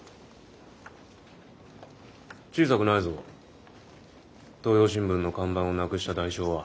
小さくないぞ「東洋新聞」の看板をなくした代償は。